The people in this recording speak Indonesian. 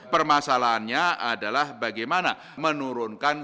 permasalahannya adalah bagaimana menurunkan